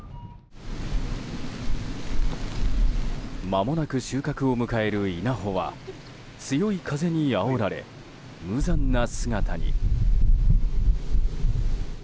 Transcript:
まもなく収穫を迎える稲穂は強い風にあおられ無残な姿に。